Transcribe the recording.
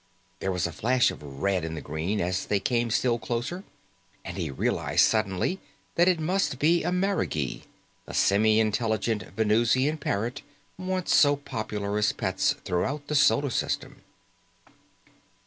There was a flash of red in the green, as they came still closer, and he realized suddenly that it must be a marigee, the semi intelligent Venusian parrot once so popular as pets throughout the solar system.